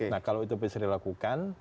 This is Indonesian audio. nah kalau itu bisa dilakukan